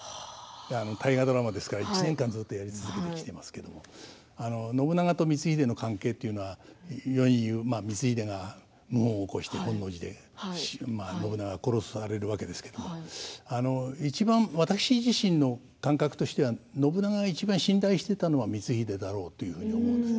大河ドラマですから１年間ずっとやり続けてきていますけれど信長と光秀の関係というのは世に言う光秀が謀反を起こして本能寺で信長を殺す殺されるわけですけれども私自身の感覚としては信長がいちばん信頼していたのは光秀だろうというふうに思うんです。